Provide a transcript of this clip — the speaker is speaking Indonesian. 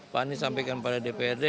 pak anies sampaikan pada dprd